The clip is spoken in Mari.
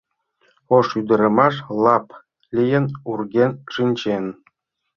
Ош ӱдырамаш, лап лийын, урген шинчен.